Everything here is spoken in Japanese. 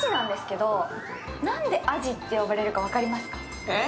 なんで味って呼ばれるか分かりますか？